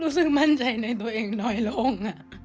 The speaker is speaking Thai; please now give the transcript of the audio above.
รู้สึกมั่นใจในตัวเองน้อยลงอ่ะ